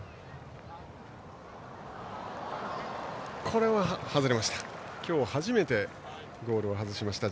これは外れました。